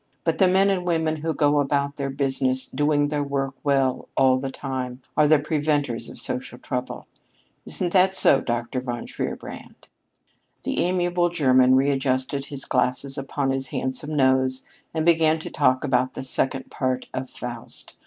But the men and women who go about their business, doing their work well all of the time, are the preventers of social trouble. Isn't that so, Dr. von Shierbrand?" That amiable German readjusted his glasses upon his handsome nose and began to talk about the Second Part of "Faust."